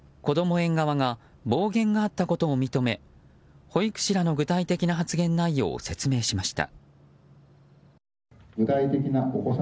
園側が暴言があったことを認め保育士らの具体的な発言内容を説明しました。